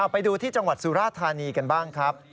ไปดูที่จังหวัดสุราธานีกันบ้างครับ